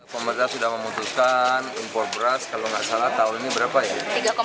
pemerintah sudah memutuskan impor beras tahun ini berapa ya